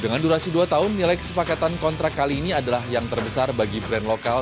dengan durasi dua tahun nilai kesepakatan kontrak kali ini adalah yang terbesar bagi brand lokal